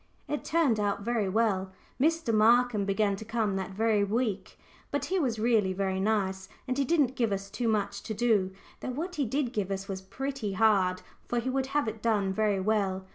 It turned out very well. Mr. Markham began to come that very week, but he was really very nice, and he didn't give us too much to do, though what he did give was pretty hard, for he would have it done very well.